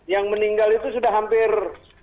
yang meninggal itu sudah hampir